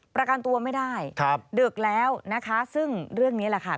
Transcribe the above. ประกันตัวไม่ได้ครับดึกแล้วนะคะซึ่งเรื่องนี้แหละค่ะ